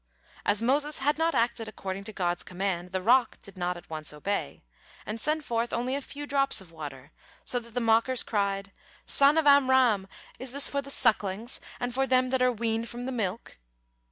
As Moses had not acted according to God's command, the rock did not at once obey, and sent forth only a few drops of water, so that the mockers cried: "Son of Amram, is this for the sucklings and for them that are weaned from the milk?"